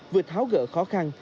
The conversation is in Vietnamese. vừa tháo gỡ khó khăn